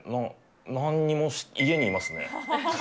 なんにも、家にいますね。